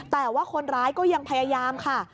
แต่ว่าคนร้ายก็ยังพยายามค่ะ